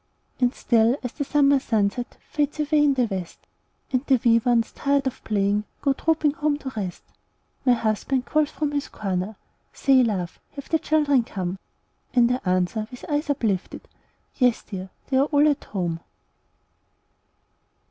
And still, as the summer sunset Fades away in the west, And the wee ones, tired of playing, Go trooping home to rest, My husband calls from his corner, "Say, love, have the children come?" And I answer, with eyes uplifted, "Yes, dear! they are all at home."